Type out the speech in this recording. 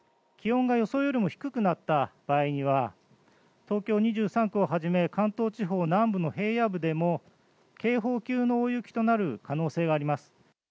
気温が予想よりも低くなった場合には、東京２３区をはじめ、関東地方南部の平野部でも警報級の大雪となる可能性があります。